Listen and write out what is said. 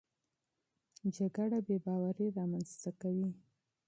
جګړه بېباوري رامنځته کوي.